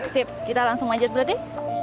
sip kita langsung manjat berarti